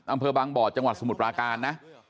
อำเภอบางบ่อจังหวัดสมุทรปราการนะ